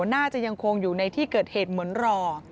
น่าจะยังคงอยู่ในที่เกิดเหตุเหมือนรอ